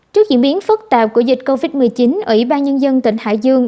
trước diễn biến phức tạp của dịch covid một mươi chín ủy ban nhân dân tỉnh hải dương